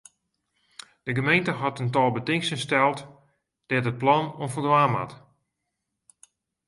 De gemeente hat in tal betingsten steld dêr't it plan oan foldwaan moat.